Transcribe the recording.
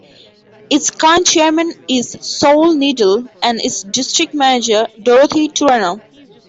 Its current chairman is Saul Needle, and its district manager Dorothy Turano.